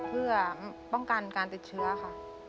เพื่อป้องกันการติดเชื้อค่ะ